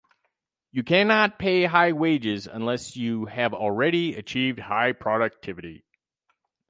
You cannot pay high wages unless you have already achieved high productivity.